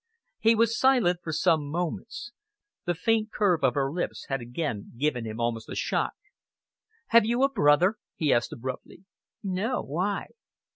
He was silent for some moments. The faint curve of her lips had again given him almost a shock. "Have you a brother?" he asked abruptly. "No. Why?"